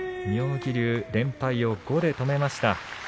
妙義龍、連敗を５で止めました。